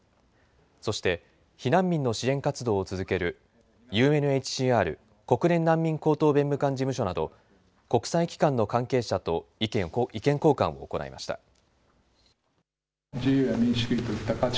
そして避難民の支援活動を続けるＵＮＨＣＲ＝国連難民高等弁務官事務所など国際機関の関係者と意見交換を行いました。